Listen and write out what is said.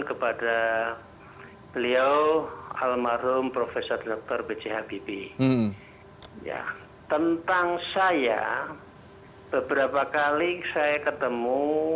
kepada beliau hearts almarhum profesor dr bc habibie tentang saya beberapa kali saya ketemu